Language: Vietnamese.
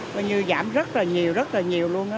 coi như giảm rất là nhiều rất là nhiều luôn